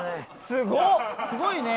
すごいね。